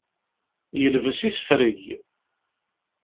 Yelbes isefreg.